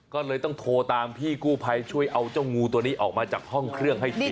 ก็เลยต้องโทรตามพี่กู้ภัยช่วยเอาเจ้างูตัวนี้ออกมาจากห้องเครื่องให้ที